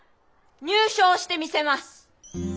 入賞してみせます！